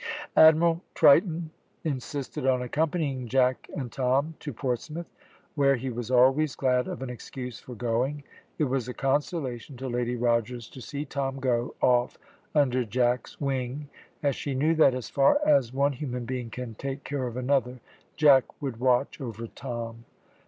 Admiral Triton insisted on accompanying Jack and Tom to Portsmouth, where he was always glad of an excuse for going. It was a consolation to Lady Rogers to see Tom go off under Jack's wing, as she knew that, as far as one human being can take care of another, Jack would watch over Tom.